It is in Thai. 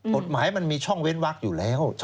กฎหมายมันมีช่องเว้นวักอยู่แล้ว